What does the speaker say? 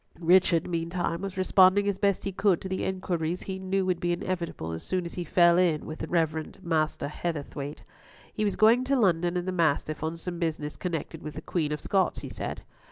Richard meantime was responding as best he could to the inquiries he knew would be inevitable as soon as he fell in with the Reverend Master Heatherthwayte. He was going to London in the Mastiff on some business connected with the Queen of Scots, he said.